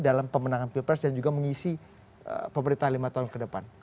dalam pemenangan pilpres dan juga mengisi pemerintahan lima tahun ke depan